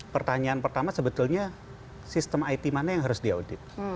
pertanyaan pertama sebetulnya sistem it mana yang harus diaudit